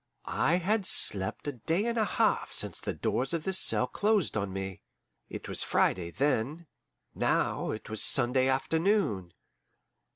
I had slept a day and a half since the doors of this cell closed on me. It was Friday then; now it was Sunday afternoon.